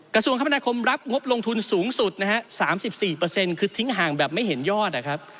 กระทรวงคมนาคมรับงบลงทุนสูงสุดนะฮะ๓๔คือทิ้งห่างแบบไม่เห็นยอดนะครับ